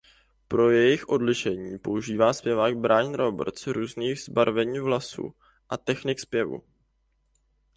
Pro jejich odlišení používá zpěvák Byron Roberts různých zabarvení hlasu a technik zpěvu.